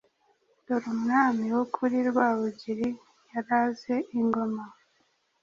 dore umwami w’ukuri Rwabugili yaraze ingoma,